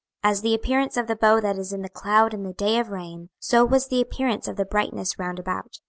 26:001:028 As the appearance of the bow that is in the cloud in the day of rain, so was the appearance of the brightness round about.